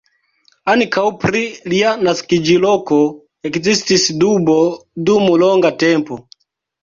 Ankaŭ pri lia naskiĝloko ekzistis dubo dum longa tempo.